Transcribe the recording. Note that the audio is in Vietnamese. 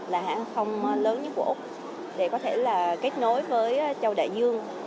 là hãng hàng không lớn nhất của úc để có thể kết nối với châu đại dương